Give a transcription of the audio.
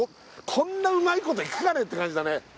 こんなうまいこといくかねって感じだね